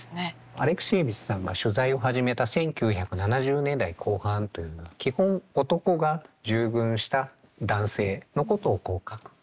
アレクシエーヴィチさんが取材を始めた１９７０年代後半というのは基本男が従軍した男性のことを書くというのが一般的でした。